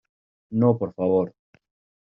no, por favor.